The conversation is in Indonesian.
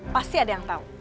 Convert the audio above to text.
pasti ada yang tau